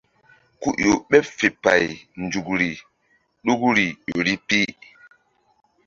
Ku ƴo ɓeɓ fe pay nzukri ɗukuri ƴori pi.